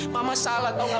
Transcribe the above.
mama salah tahu nggak